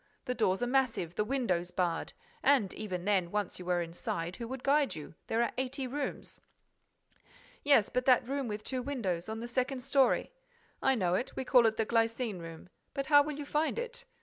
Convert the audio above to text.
The doors are massive, the windows barred. And, even then, once you were inside, who would guide you? There are eighty rooms." "Yes, but that room with two windows, on the second story—" "I know it, we call it the glycine room. But how will you find it?